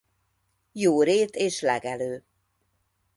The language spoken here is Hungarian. Jó rét és legelő.